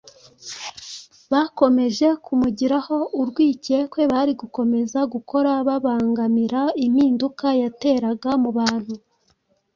bakomeje kumugiraho urwikekwe, bari gukomeza gukora babangamira impinduka yateraga mu bantu.